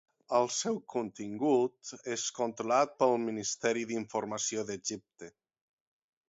El seu contingut és controlat pel Ministeri d'Informació d'Egipte.